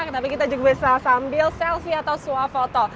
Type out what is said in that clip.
tapi kita juga bisa sambil selfie atau swafoto